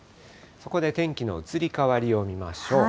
そこで天気の移り変わりを見ましょう。